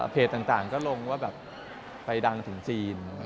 ต่างก็ลงว่าแบบไปดังถึงจีน